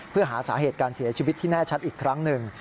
เพื่อหาสาเหตุการเสียชีวิตที่แน่ชัดอีกครั้งหนึ่ง